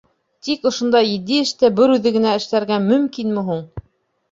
Тик ошондай етди эште бер үҙе генә эшләргә мөмкинме һуң?